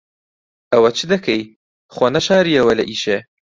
ئەوە چ دەکەی؟ خۆ نەشارییەوە لە ئیشێ.